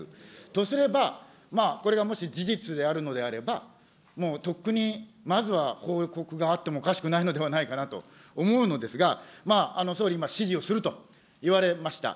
とすれば、これがもし事実であるのであれば、もうとっくにまずは報告があってもおかしくないのではないかと思うのですが、まあ、総理、今、指示をすると言われました。